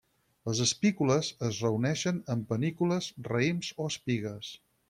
Les espícules es reuneixen en panícules, raïms o espigues.